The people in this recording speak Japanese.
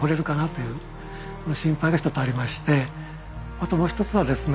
あともう一つはですね